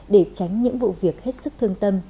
để tránh những vụ việc hết sức thương tâm